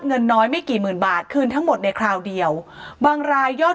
เงินน้อยไม่กี่หมื่นบาทคืนทั้งหมดในคราวเดียวบางรายยอด